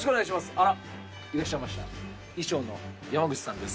あらいらっしゃいました衣装の山口さんです